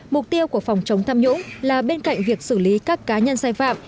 mục tiêu của phòng chống tham nhũng là bên cạnh việc xử lý các cá nhân sai phạm